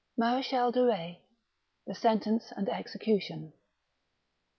MARECHAL DE BETZ.— HI. THE SENTENCE AND EXECUTION.